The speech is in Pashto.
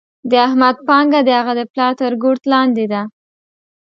د احمد پانګه د هغه د پلار تر ګورت لاندې ده.